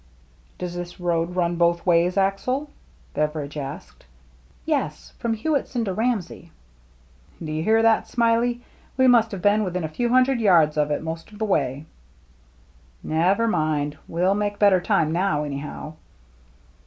" Does this road run both ways. Axel ?" Beveridge asked. " Yes, from Hewittson to Ramsey." " Do you hear that. Smiley ? We must 290 THE MERRT JNNE have been within a few hundred yards of it most of the way." " Never mind, we'll make better time now, anyhow."